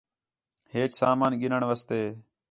ہیچ سامان گِھنّݨ واسطے